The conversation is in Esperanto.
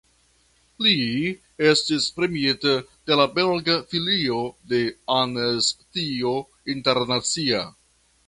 Li estis premiita de la belga filio de Amnestio Internacia.